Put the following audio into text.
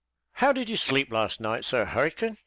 "How did you sleep last night, Sir Hurricane?"